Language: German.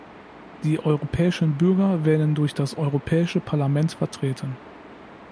Die europäischen Bürger werden durch das Europäische Parlament vertreten.